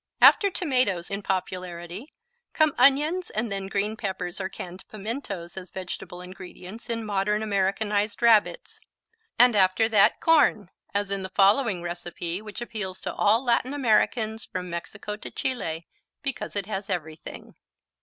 After tomatoes, in popularity, come onions and then green peppers or canned pimientos as vegetable ingredients in modern, Americanized Rabbits. And after that, corn, as in the following recipe which appeals to all Latin Americans from Mexico to Chile because it has everything.